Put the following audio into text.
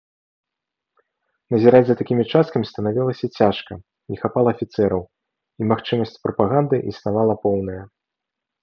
Назіраць за такімі часткамі станавілася цяжка, не хапала афіцэраў, і магчымасць прапаганды існавала поўная.